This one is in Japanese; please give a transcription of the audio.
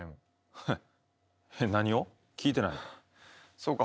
そうか。